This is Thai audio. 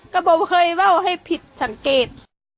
ก็เมาให้ผิดสังเกต